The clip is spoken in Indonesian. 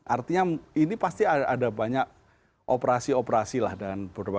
artinya ini pasti ada banyak operasi operasi lah dan berbagai macam